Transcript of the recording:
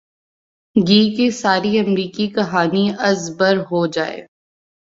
گی کہ ساری امریکی کہانی از بر ہو جائے۔